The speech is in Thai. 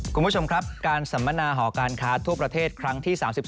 คุณผู้ชมครับการสัมมนาหอการค้าทั่วประเทศครั้งที่๓๒